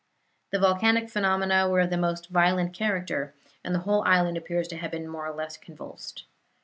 The volcanic phenomena were of the most violent character, and the whole island appears to have been more or less convulsed.